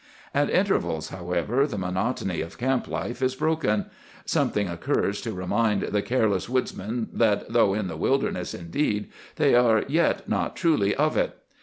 "At intervals, however, the monotony of camp life is broken. Something occurs to remind the careless woodsmen that, though in the wilderness, indeed, they are yet not truly of it.